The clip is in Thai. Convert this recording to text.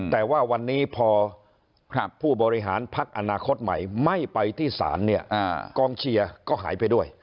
แต่ว่าวันนี้พอผู้บริหารพักอนาคตใหม่ไม่ไปที่ศาลเนี่ยกองเชียร์ก็หายไปด้วย